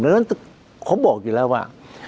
เพราะฉะนั้นเขาบอกอยู่แล้วว่า